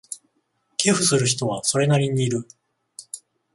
寄付する人はそれなりにいる